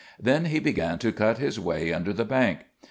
Then he began to cut his way under the bank.